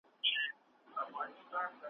نن دي لا په باغ کي پر ګلڅانګه غزلخوان یمه `